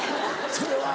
それは。